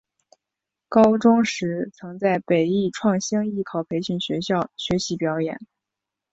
高中时曾在北艺创星艺考培训学校学习表演。